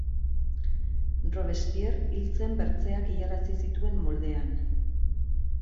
Robespierre hil zen bertzeak hilarazi zituen moldean.